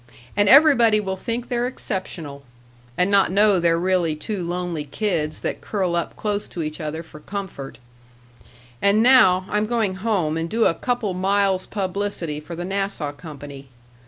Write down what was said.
And everybody will think they're exceptional, and not know they're really two lonely kids that curl up close to each other for comfort.... And now I'm going home and do a couple miles publicity for the Nassau Company....